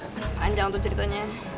kenapaan jangan tonton ceritanya